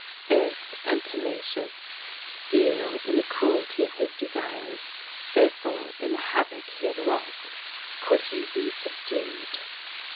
Fierce and tenacious, steel in the cruelty of his desires, fearful in the havoc he had wrought, could he be subdued?